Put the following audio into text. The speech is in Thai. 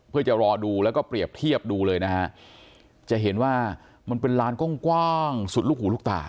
เพื่อจะรอดูแล้วก็เปรียบเทียบดูเลยนะฮะจะเห็นว่ามันเป็นร้านกว้างสุดลูกหูลูกตา